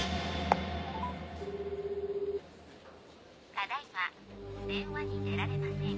ただ今電話に出られません。